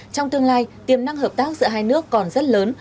trong tương lai tiềm năng hợp tác giữa hai nước còn rất lớn